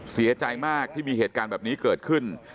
เสียใจมากที่มีเหตุการณ์แบบนี้เกิดขึ้น